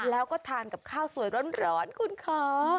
แล้วก็ทานกับข้าวสวยร้อนคุณคะ